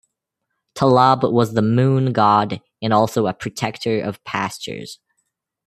Ta'lab was the moon god and also a protector of pastures.